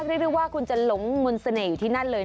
ก็ได้ฤาคุณจะหลงมรุนเสน่ห์อยู่ที่นั่นเลย